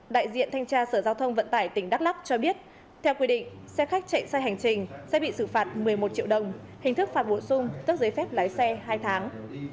đại diện thanh tra sở giao thông vận tải tỉnh đắk lắc cho biết theo quy định xe khách chạy xe hành trình sẽ bị xử phạt một mươi một triệu đồng hình thức phạt bổ sung tước giấy phép lái xe hai tháng